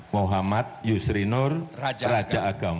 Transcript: muhammad yusri nur raja agam